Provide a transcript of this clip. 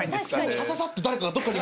サササって誰かがどっかに。